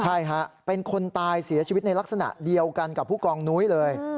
ใช่ฮะเป็นคนตายเสียชีวิตในลักษณะเดียวกันกับผู้กองนุ้ยเลย